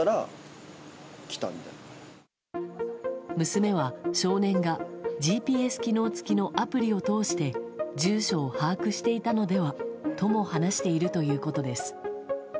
娘は、少年がＧＰＳ機能付きのアプリを通して住所を把握したのではとも話しているということです。